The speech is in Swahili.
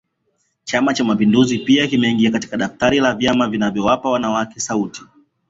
Chama Cha mapinduzi pia kimeingia katika daftari la vyama vilivyowapa wanawake sauti